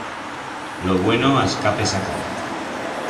Lo bueno a escape s'acaba.